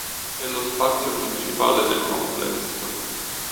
È lo spazio principale del complesso.